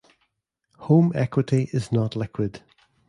Home equity is not liquid.